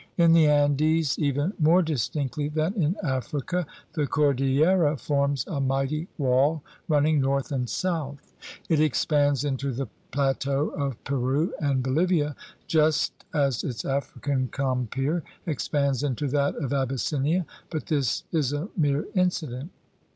In the Andes even more distinctly than in Africa the cordillera forms a mighty wall running north and 42 THE RED MAN'S CONTINENT south. It expands into the plateau of Peru and Bolivia, just as its African compeer expands into that of Abyssinia, but this is a mere incident.